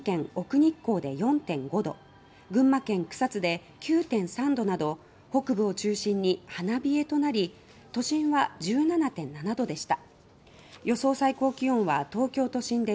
日光で４．５度群馬県草津で９．３度など北部を中心に花冷えとなり都心は１７．７度でした。